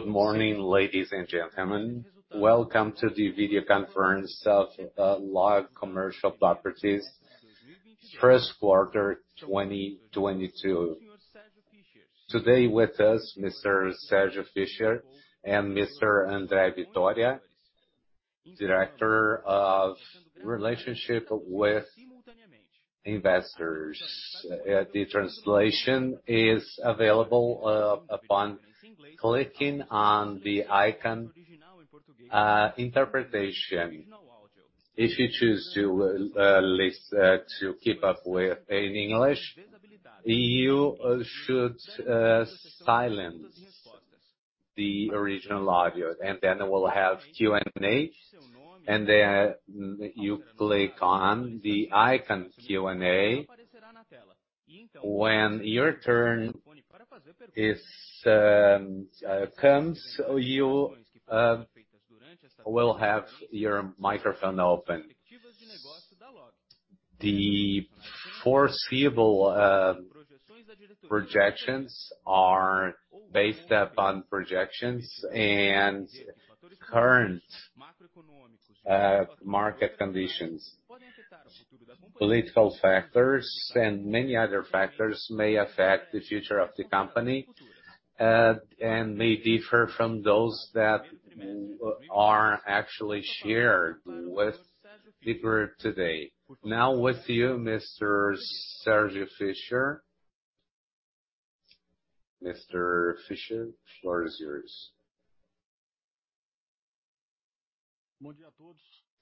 Good morning, ladies and gentlemen. Welcome to the video conference of LOG Commercial Properties first quarter 2022. Today with us, Mr. Sérgio Fischer and Mr. André Vitória, Director of Investor Relations. The translation is available upon clicking on the icon interpretation. If you choose to listen to keep up with in English, you should silence the original audio. Then we'll have Q&A, and then you click on the icon Q&A. When your turn comes, you will have your microphone open. The foreseeable projections are based upon projections and current market conditions. Political factors and many other factors may affect the future of the company, and may differ from those that are actually shared with people today. Now with you, Mr. Sérgio Fischer. Mr. Fischer, floor is yours.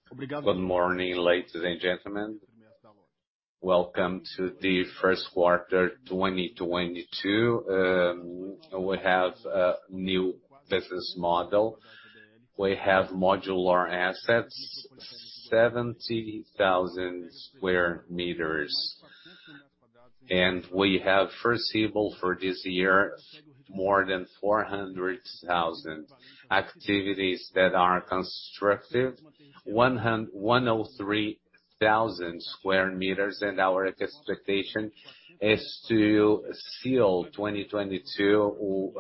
Good morning, ladies and gentlemen. Welcome to the first quarter 2022. We have a new business model. We have modular assets, 70,000 sq m. We have foreseeable for this year, more than 400,000 activities that are constructed, 103,000 sq m, and our expectation is to seal 2022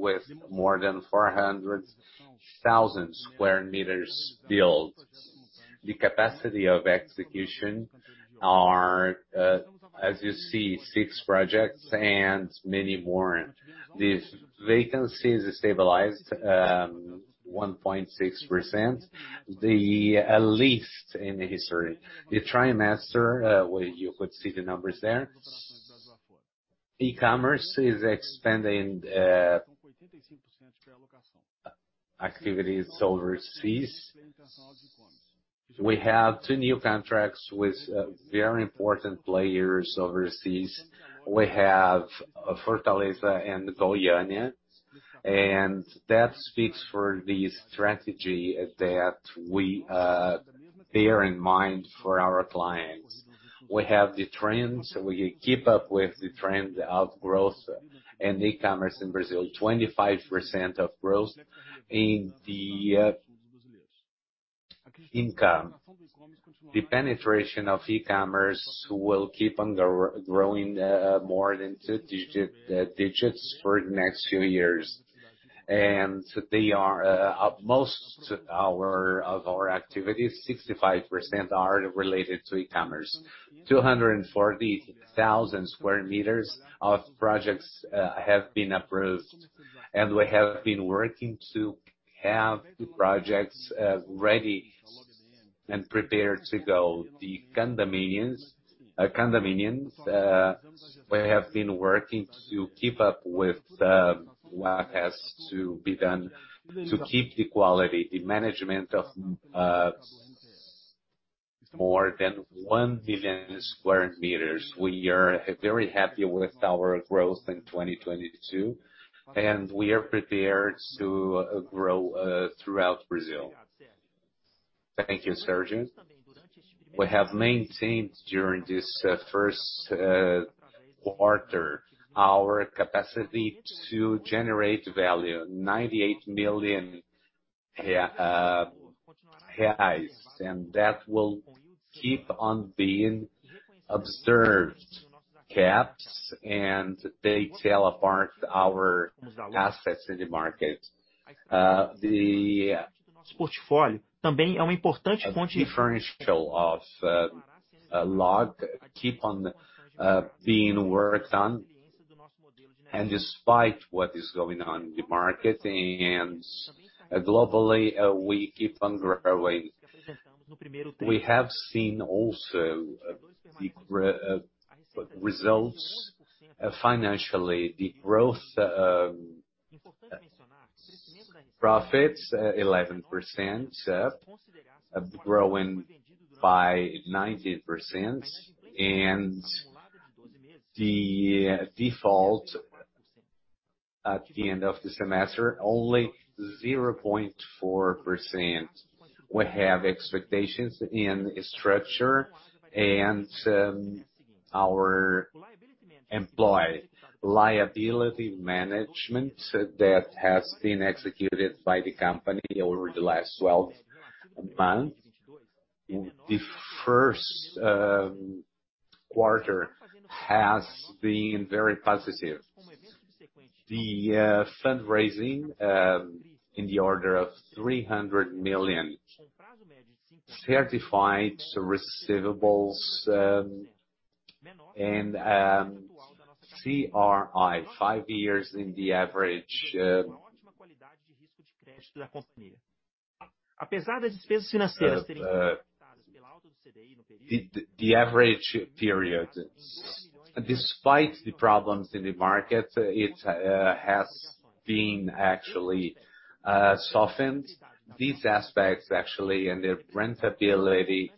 with more than 400,000 sq m built. The capacity of execution are, as you see, six projects and many more. These vacancies stabilized, 1.6%, the least in history. The trimester, where you could see the numbers there. E-commerce is expanding, activities overseas. We have two new contracts with, very important players overseas. We have Fortaleza and Tolhanta, and that speaks for the strategy that we, bear in mind for our clients. We have the trends, we keep up with the trend of growth and e-commerce in Brazil, 25% of growth in the income. The penetration of e-commerce will keep on growing more than two digits for the next few years. They are most of our activities, 65% are related to e-commerce. 240,000 sq m of projects have been approved, and we have been working to have the projects ready and prepared to go. The condominiums we have been working to keep up with what has to be done to keep the quality, the management of more than 1 billion sq m. We are very happy with our growth in 2022, and we are prepared to grow throughout Brazil. Thank you, Sérgio. We have maintained during this first quarter our capacity to generate value, BRL 98 million, and that will keep on being observed caps, and they telegraph our assets in the market. The differential of LOG keep on being worked on. Despite what is going on in the market and globally, we keep on growing. We have seen also the results financially, the growth profits 11%, growing by 19% and the default at the end of the semester, only 0.4%. We have expectations in structure and our employee liability management that has been executed by the company over the last twelve months. The first quarter has been very positive. The fundraising in the order of 300 million certified receivables and CRI, five years on average. The average period, despite the problems in the market, it has been actually shortened. These aspects actually and their profitability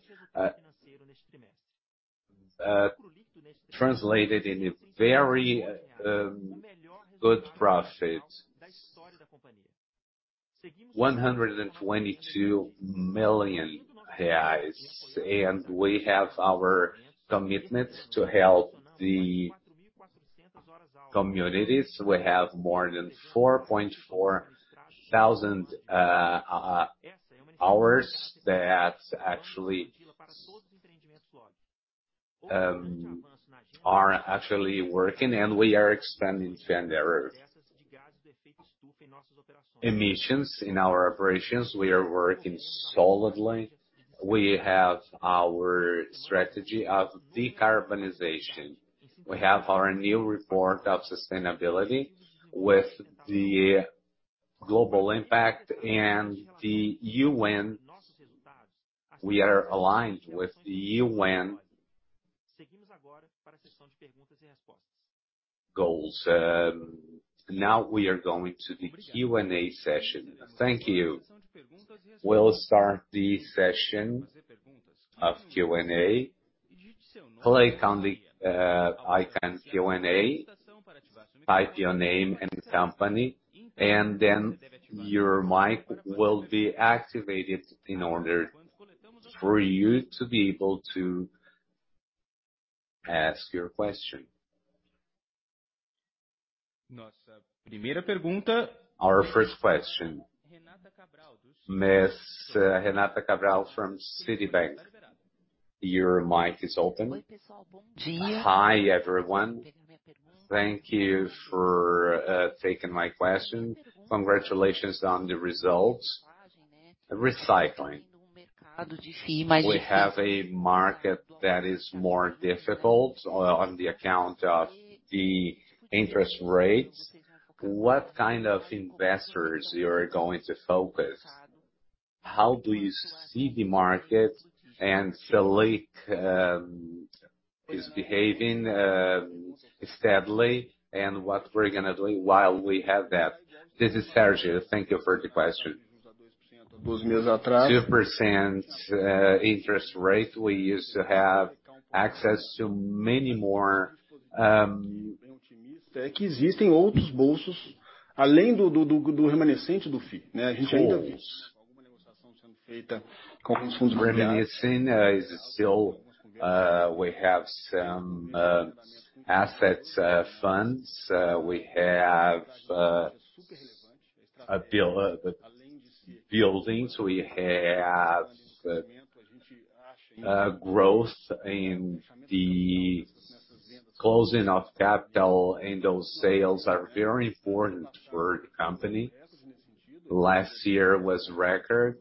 translated into a very good profit. 122 million reais. We have our commitment to help the communities. We have more than 4.4 thousand hours that actually are working and we are expanding faster. Emissions in our operations, we are working solidly. We have our strategy of decarbonization. We have our new report of sustainability with the global impact and the U.N. We are aligned with the U.N. goals. Now we are going to the Q&A session. Thank you. We'll start the session of Q&A. Click on the icon Q&A, type your name and company, and then your mic will be activated in order for you to be able to ask your question. Our first question. Miss Renata Cabral from Citi. Your mic is open. Hi, everyone. Thank you for taking my question. Congratulations on the results. Regarding. We have a market that is more difficult on account of the interest rates. What kind of investors you're going to focus? How do you see the market and the lease is behaving steadily, and what we're gonna do while we have that? This is Sérgio. Thank you for the question. 2% interest rate, we used to have access to many more pools. Financing is still, we have some assets, funds. We have a buildings. We have growth in the closing of capital, and those sales are very important for the company. Last year was record,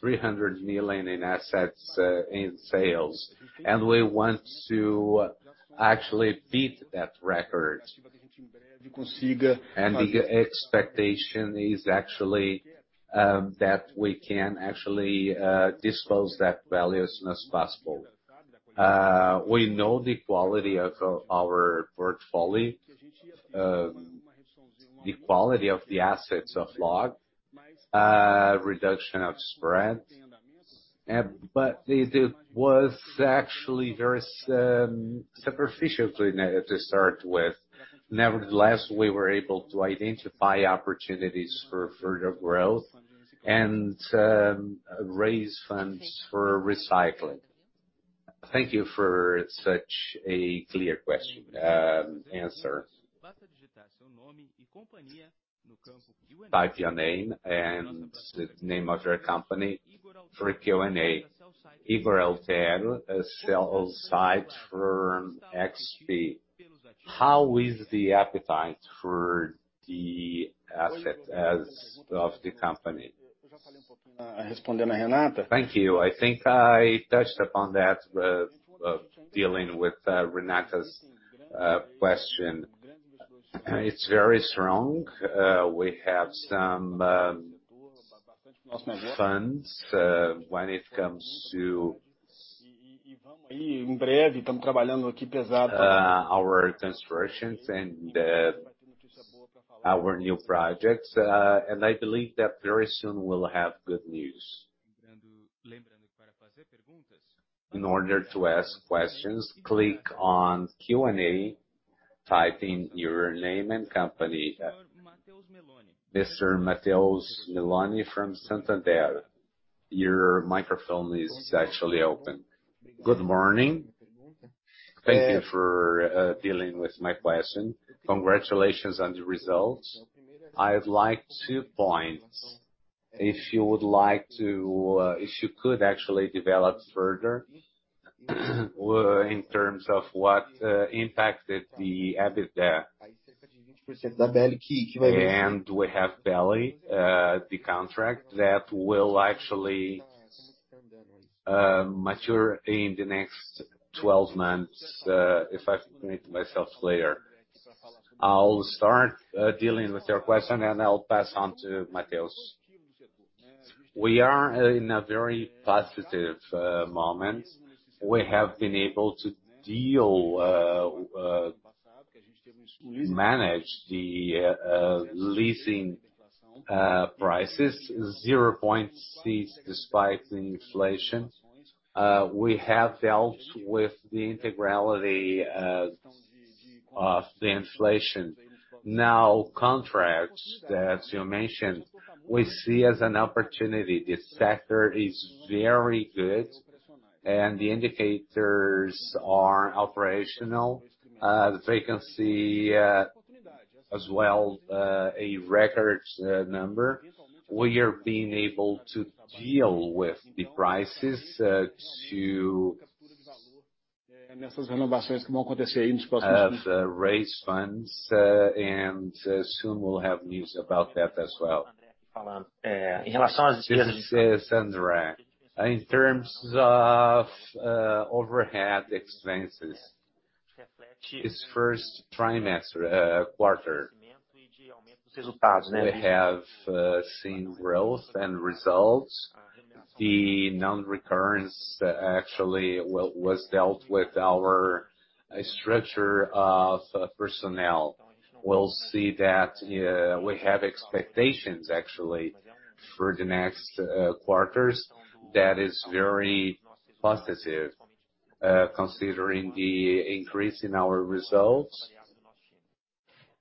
300 million in assets in sales. We want to actually beat that record. The expectation is actually that we can actually disclose that value as soon as possible. We know the quality of our portfolio, the quality of the assets of LOG, reduction of spread. But it was actually very superficially, to start with. Nevertheless, we were able to identify opportunities for further growth and raise funds for recycling. Thank you for such a clear question, answer. Type your name and the name of your company for Q&A. Igor Alter, a sell-side firm, XP Investimentos. How is the appetite for the assets of the company? Thank you. I think I touched upon that, dealing with Renata's question. It's very strong. We have some funds when it comes to our transformations and our new projects. I believe that very soon we'll have good news. In order to ask questions, click on Q&A, type in your name and company. Mr. Matheus Meloni from Santander, your microphone is actually open. Good morning. Thank you for dealing with my question. Congratulations on the results. I would like two points. If you would like to, if you could actually develop further in terms of what impacted the EBITDA. We have BEL, the contract that will actually mature in the next 12 months, if I make myself clear. I'll start dealing with your question, and I'll pass on to Matheus. We are in a very positive moment. We have been able to manage the leasing prices 0.6% despite the inflation. We have dealt with the entirety of the inflation. Now, contracts that you mentioned, we see as an opportunity. This sector is very good, and the indicators are operational. The vacancy as well a record number. We are being able to deal with the prices to raise funds, and soon we'll have news about that as well. This is André. In terms of overhead expenses, this first quarter, we have seen growth and results. The non-recurrence actually was dealt with our structure of personnel. We'll see that we have expectations actually for the next quarters. That is very positive, considering the increase in our results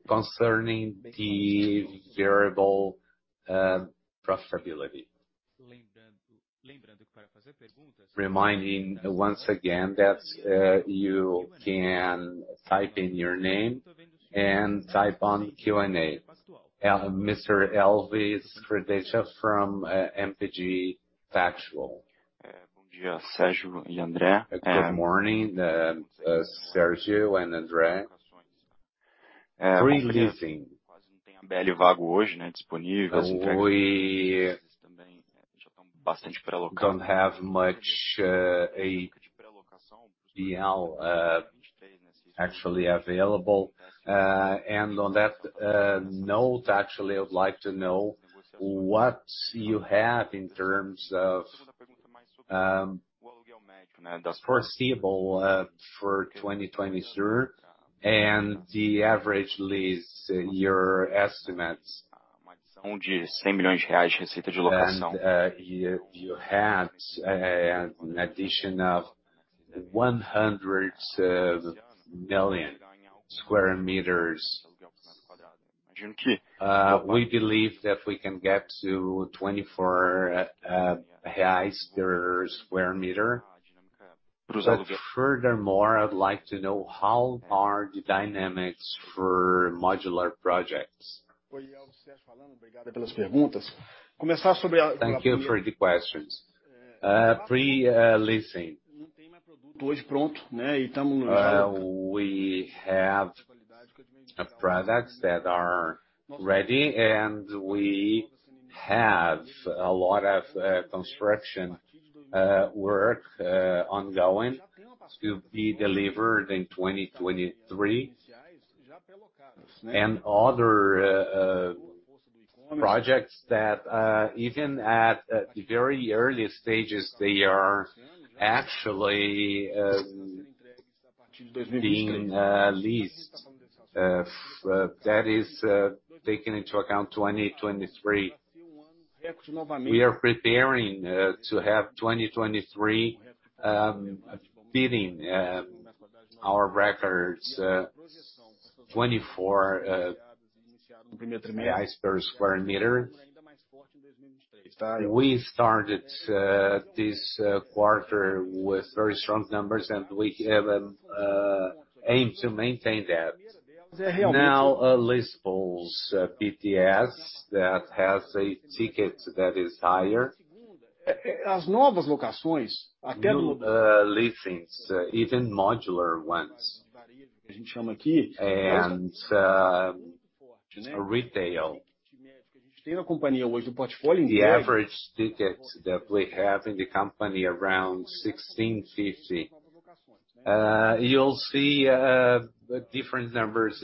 concerning the variable profitability. Reminding once again that, you can type in your name and type on Q&A. Mr. Elvis Rodécia from BTG Pactual. Good morning, Sérgio and André. Pre-leasing. We don't have much, ABL, actually available. On that note, actually, I would like to know what you have in terms of the foreseeable for 2023 and the average lease your estimates. You had an addition of 100 million sq m. We believe that we can get to 24 reais per sq m. Furthermore, I would like to know how are the dynamics for modular projects. Thank you for the questions. Pre-leasing. We have products that are ready, and we have a lot of construction work ongoing to be delivered in 2023. Other projects that even at the very earliest stages, they are actually being leased. That is taking into account 2023. We are preparing to have 2023 beating our records BRL 24 per sq m. We started this quarter with very strong numbers, and we have aimed to maintain that. Now, list both BTS that has a ticket that is higher. New leasings, even modular ones. Retail. The average ticket that we have in the company around 16.50. You'll see different numbers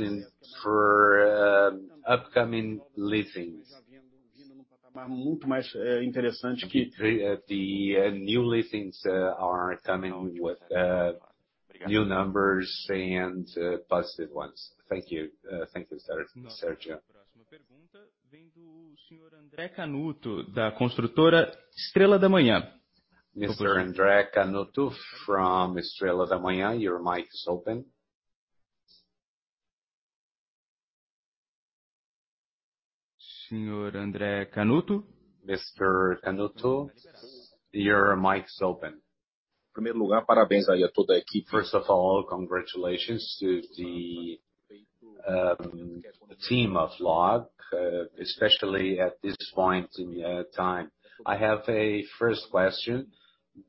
for upcoming leasings. The new leasings are coming with new numbers and positive ones. Thank you. Thank you, Sérgio. Mr. André Canuto from Estrela da Manhã, your mic is open. Mr. André Canuto. Mr. Canuto, your mic is open. First of all, congratulations to the team of LOG, especially at this point in time. I have a first question.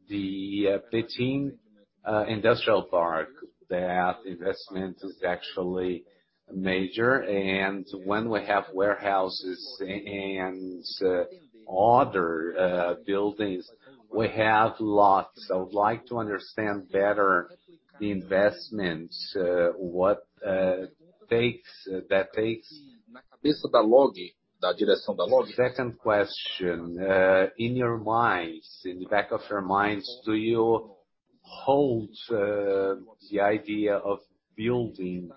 The fitting industrial park, that investment is actually major. When we have warehouses and other buildings, we have lots. I would like to understand better the investments, what that takes. Second question. In your minds, in the back of your minds, do you hold the idea of building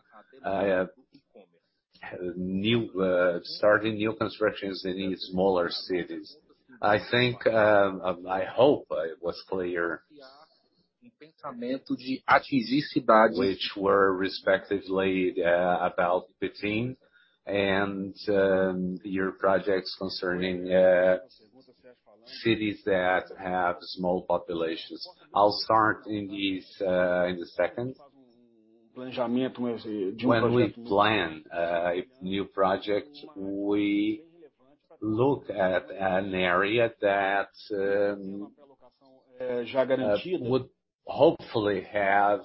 new constructions in smaller cities? I think I hope it was clear. Which were respectively about fitting and your projects concerning cities that have small populations. I'll start in these, in the second. When we plan a new project, we look at an area that would hopefully have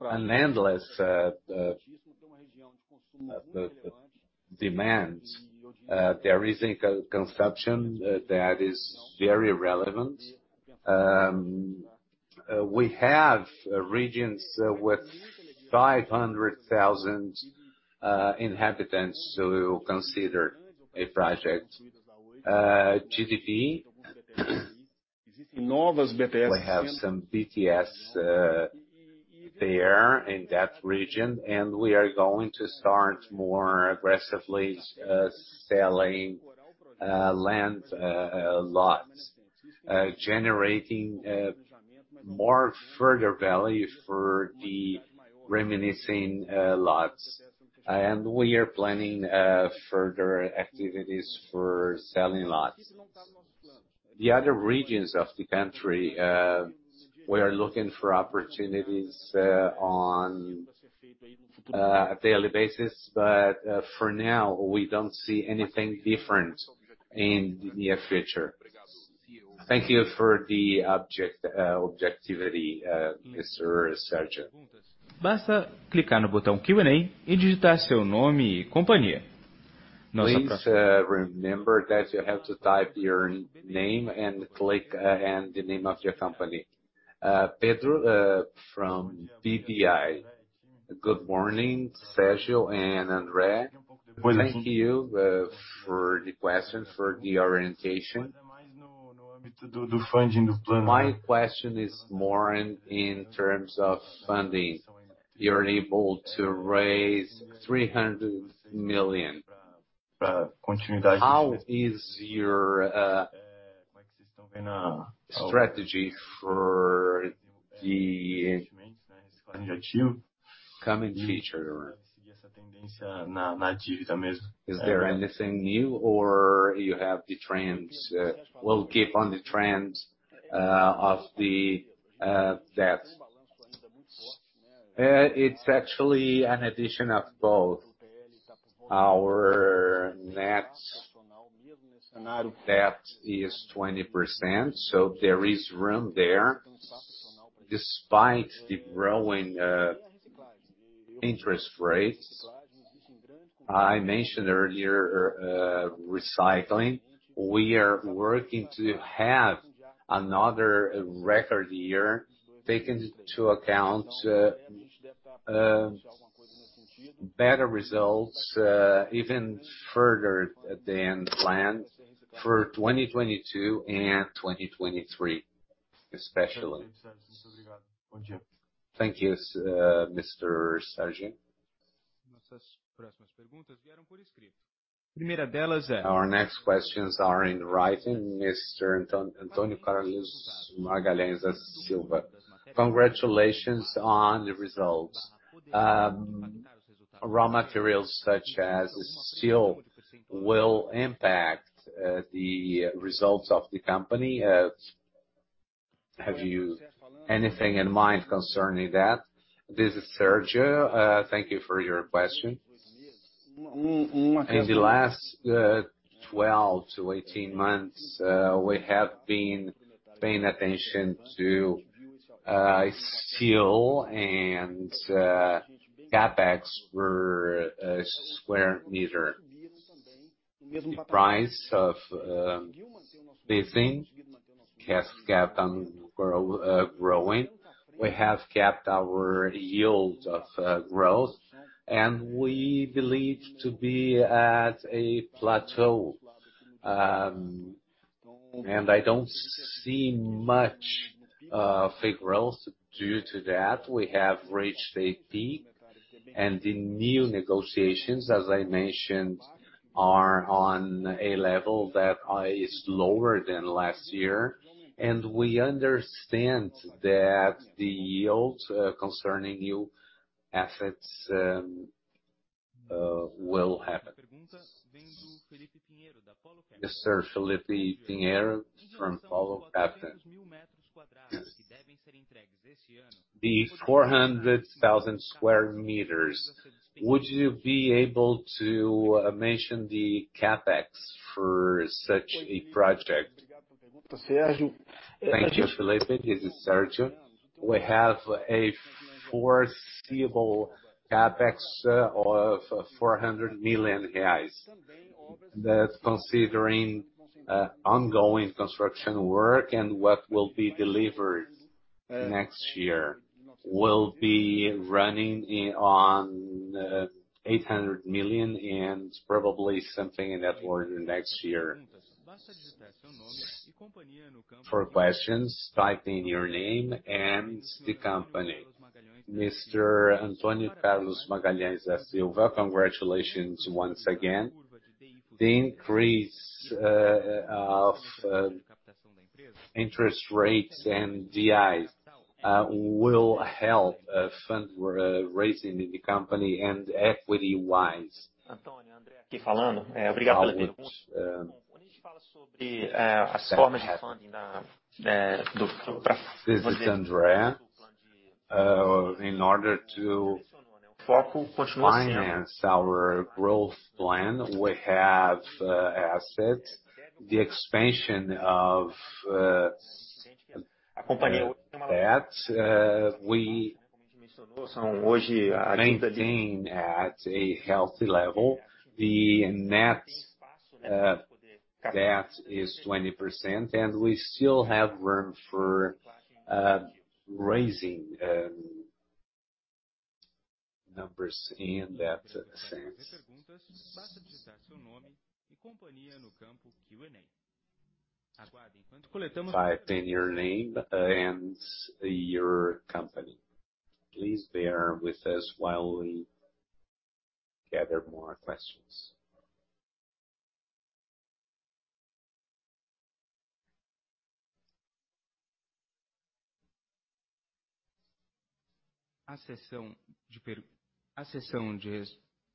endless demand. There is a consumption that is very relevant. We have regions with 500,000 inhabitants to consider a project. High GDP, we have some BTS there in that region, and we are going to start more aggressively selling land lots, generating more further value for the remaining lots. We are planning further activities for selling lots. The other regions of the country, we are looking for opportunities on a daily basis. For now, we don't see anything different in the near future. Thank you for the objectivity, Mr. Sérgio. Please, remember that you have to type your name and click, and the name of your company. Pedro, from BBI. Good morning, Sérgio and André. Thank you, for the question, for the orientation. My question is more in terms of funding. You're able to raise 300 million. How is your strategy for the coming future? Is there anything new, or you have the trends, will keep on the trends, of the debts? It's actually an addition of both. Our net debt is 20%, so there is room there despite the growing interest rates. I mentioned earlier, recycling. We are working to have another record year taken into account, better results, even further than planned for 2022 and 2023, especially. Thank you, Mr. Sérgio. Our next questions are in writing, Mr. Antônio Carlos Magalhães da Silva. Congratulations on the results. Raw materials such as steel will impact the results of the company. Have you anything in mind concerning that? This is Sergio. Thank you for your question. In the last 12-18 months, we have been paying attention to steel and CapEx per square meter. The price of leasing has kept on growing. We have kept our yield of growth, and we believe to be at a plateau. I don't see much big growth due to that. We have reached a peak, and the new negotiations, as I mentioned, are on a level that is lower than last year. We understand that the yields concerning new assets will happen. Yes, Sir Felipe Pinheiro from Paulo Cafe. The 400,000 sq m, would you be able to mention the CapEx for such a project? Thank you, Felipe. This is Sérgio Fischer. We have a foreseeable CapEx of 400 million reais. That's considering ongoing construction work and what will be delivered next year. We'll be running around 800 million and probably something in that order next year. For questions, type in your name and the company. Mr. Antônio Carlos Magalhães da Silva, congratulations once again. The increase of interest rates and DIs will help fund raising in the company and equity-wise. How is that happen? This is André Vitória. In order to finance our growth plan, we have assets. The expansion of that we maintain at a healthy level. The net debt is 20%, and we still have room for raising numbers in that sense. Type in your name and your company. Please bear with us while we gather more questions.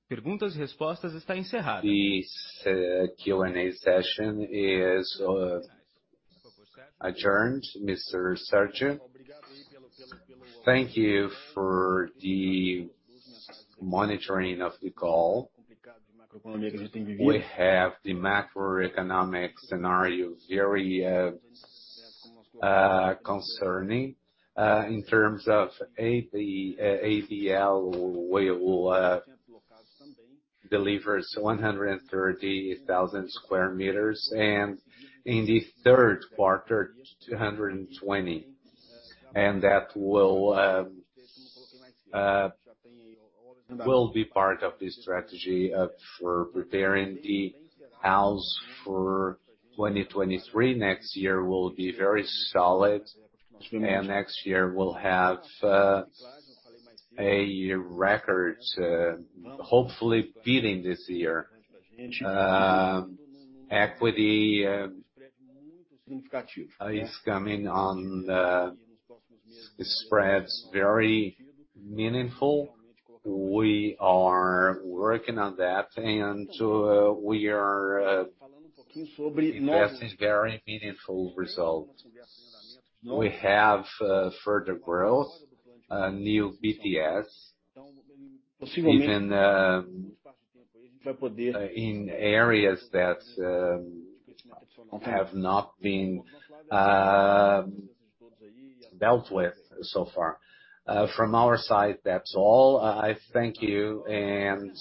The Q&A session is adjourned. Mr. Sérgio Fischer. Thank you for the monitoring of the call. We have the macroeconomic scenario very concerning in terms of the ABL, we will delivers 130,000 sq m, and in the third quarter, 220. That will be part of the strategy for preparing the house for 2023. Next year will be very solid. Next year, we'll have a record, hopefully beating this year. Equity is coming on the spreads very meaningful. We are working on that, and we are achieving very meaningful results. We have further growth, new BTS, even in areas that have not been dealt with so far. From our side, that's all. I thank you and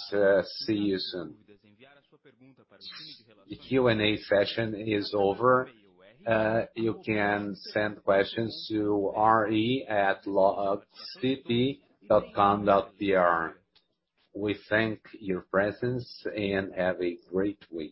see you soon. The Q&A session is over. You can send questions to ri@logcp.com.br. We thank you for your presence and have a great week.